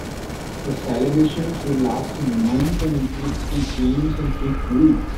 The celebrations would last a month and include free games and free food.